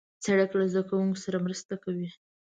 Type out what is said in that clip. سړک له زدهکوونکو سره مرسته کوي.